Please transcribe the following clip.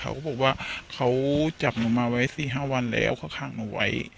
เขาก็บอกว่าเขาจับหนูมาไว้๔๕วันแล้วเขาฆ่าหนูไว้